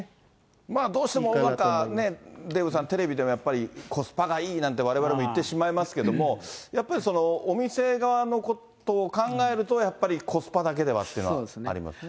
まあ、どうしてもデーブさん、テレビでもやっぱりコスパがいいなんて、われわれも言ってしまいますけども、やっぱりお店側のことを考えると、やっぱりコスパだけではっていうのはありますね。